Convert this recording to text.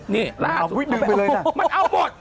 นี่ล่าสุดมันเอาหมด